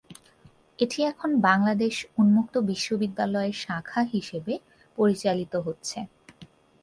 এটি এখন বাংলাদেশ উন্মুক্ত বিশ্ববিদ্যালয়ের শাখা হিসেবে পরিচালিত হচ্ছে।